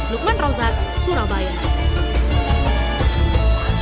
nukman rozak surabaya